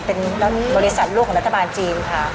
เป็นบริษัทลูกของรัฐบาลจีนค่ะ